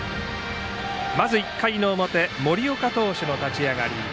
１回の表、森岡投手の立ち上がり。